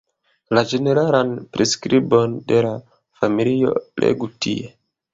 La ĝeneralan priskribon de la familio legu tie.